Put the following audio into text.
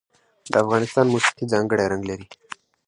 د افغانستان موسیقي ځانګړی رنګ لري.